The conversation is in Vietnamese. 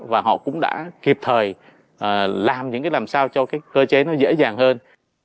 và họ cũng đã kịp thời làm những cái làm sao cho cái cơ chế nó dễ dàng hơn